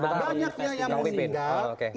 banyaknya yang meninggal